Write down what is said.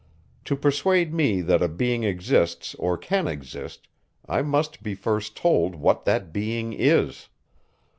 To persuade me that a being exists or can exist, I must be first told what that being is.